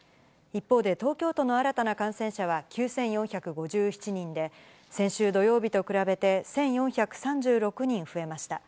一方で、東京都の新たな感染者は９４５７人で、先週土曜日と比べて１４３６人増えました。